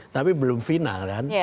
tapi belum final kan